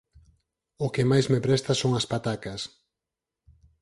O que máis me presta son as patacas